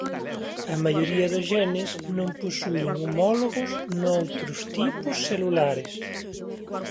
A maioría dos xenes non posúen homólogos noutros tipos celulares.